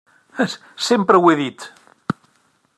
Sempre ho he dit.